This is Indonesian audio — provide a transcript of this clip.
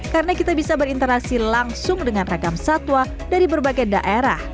karena kita bisa berinteraksi langsung dengan ragam satwa dari berbagai daerah